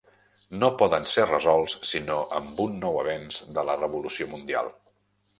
No poden ser resolts sinó amb un nou avenç de la revolució mundial.